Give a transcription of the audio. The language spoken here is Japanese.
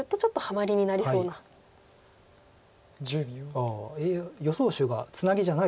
ああ予想手がツナギじゃないです。